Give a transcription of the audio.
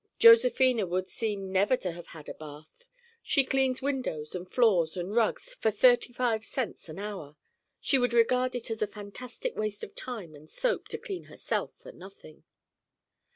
Josephina would seem never to have had a bath. She cleans windows and floors and rugs for thirty five cents an hour. She would regard it as a fantastic waste of time and soap to clean herself for nothing.